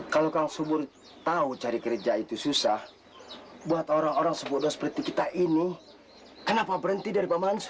kalau kang subur tahu cari kerja itu susah buat orang orang sebodoh seperti kita ini kenapa berhenti dari paman